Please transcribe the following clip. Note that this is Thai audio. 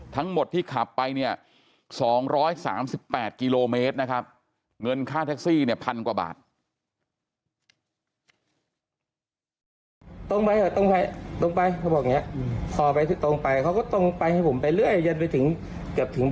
ทั้งหมดที่ขับไป๒๓๘กิโลเมตรเงินค่าแท็กซี่๑๐๐๐กว่าบาท